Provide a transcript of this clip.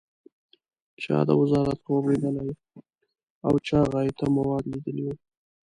چا د وزارت خوب لیدلی او چا غایطه مواد لیدلي و.